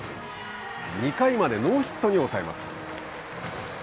２回までノーヒットに抑えます。